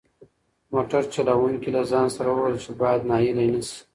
موټر چلونکي له ځان سره وویل چې باید ناهیلی نشي.